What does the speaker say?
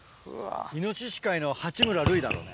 イノシシ界の八村塁だろうね。